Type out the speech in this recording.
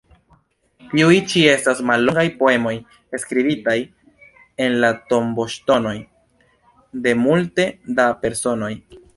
Tiuj ĉi estas mallongaj poemoj skribitaj en la tomboŝtonoj de multe da personoj.